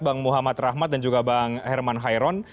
bang muhammad rahmat dan juga bang herman hairon